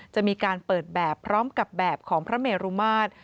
จะมีการเปิดแบบพร้อมกับแบบของพระเมรุมาตร